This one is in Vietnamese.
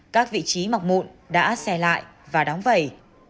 các vị trí mọc mụn đã xe lại và đóng vẩy